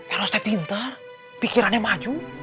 eros itu pintar pikirannya maju